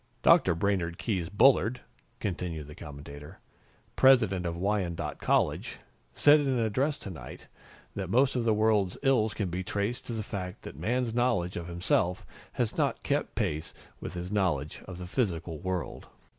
"Dr. Brainard Keyes Bullard," continued the commentator, "President of Wyandotte College, said in an address tonight that most of the world's ills can be traced to the fact that Man's knowledge of himself has not kept pace with his knowledge of the physical world."